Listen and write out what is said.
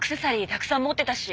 たくさん持ってたし。